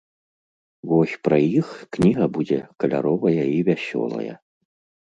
Вось пра іх кніга будзе каляровая і вясёлая!